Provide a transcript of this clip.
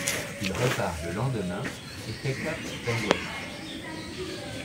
Il repart le lendemain et fait cap vers l'ouest.